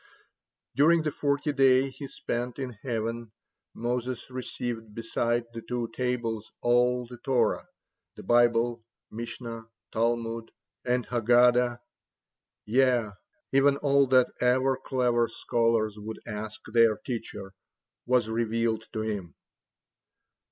During the forty days he spent in heaven, Moses received beside the two tables all the Torah the Bible, Mishnah, Talmud, and Haggadah, yea, even all that ever clever scholars would ask their teacher was revealed to him.